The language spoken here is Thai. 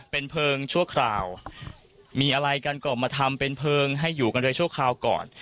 เป็นเพลิงชั่วคราวมีอะไรกันก็มาทำเป็นเพลิงให้อยู่กันไปชั่วคราวก่อน